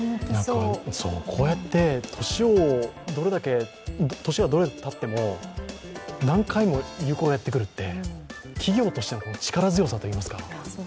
こうやって年がどれだけたっても、何回も流行がやってくるって企業としての力強さといいますか。